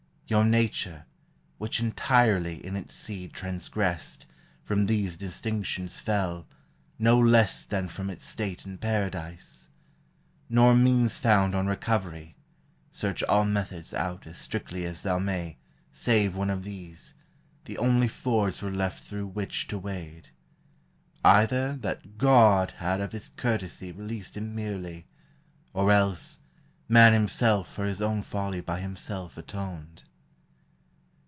Your nature, which entirely in its seed Transgressed, from these distinctions fell, no less Than from its state in Paradise ; nor means Found on recovery (search all methods out As strictly as thou may) save one of these, The only fords were left through which to wade: Either, that God had of his courtesy Released him merely; or else, man himself For his own folly by himself atoned.